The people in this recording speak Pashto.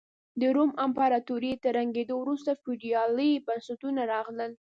د روم امپراتورۍ تر ړنګېدو وروسته فیوډالي بنسټونه راغلل.